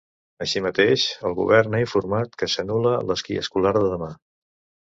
Així mateix, el govern ha informat que s’anul·la l’esquí escolar de demà.